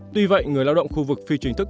tuy vậy người lao động khu vực phi chính thức